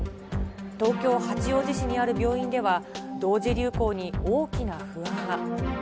東京・八王子市にある病院では、同時流行に大きな不安が。